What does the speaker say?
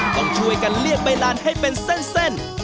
ต้องช่วยกันเรียกใบดันให้เป็นเส้น